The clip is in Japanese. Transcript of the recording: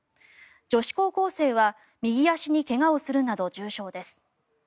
女子高校生は右足に怪我をするなど重傷です。